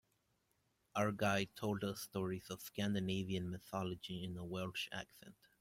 Our guide told us stories of Scandinavian mythology in a Welsh accent.